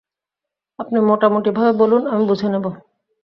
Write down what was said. আপনি মোটামুটিভাবে বলুন, আমি বুঝে নেব।